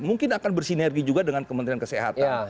mungkin akan bersinergi juga dengan kementerian kesehatan